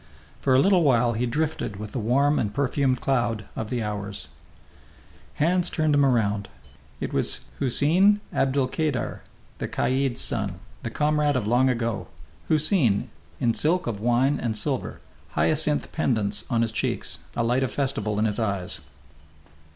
For a little while he drifted with the warm and perfumed cloud of the hours. Hands turned him around. It was Houseen Abdelkader, the caid's son, the comrade of long ago Houseen in silk of wine and silver, hyacinths pendent on his cheeks, a light of festival in his eyes.